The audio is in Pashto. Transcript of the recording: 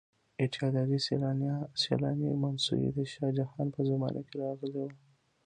ایټالیایی سیلانی منوسي د شاه جهان په زمانه کې راغلی و.